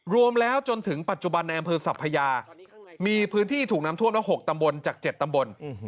รวมแล้วจนถึงปัจจุบันในอำเภอสัพพยามีพื้นที่ถูกน้ำท่วมละ๖ตำบลจาก๗ตำบล